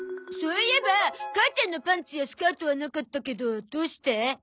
そういえば母ちゃんのパンツやスカートはなかったけどどうして？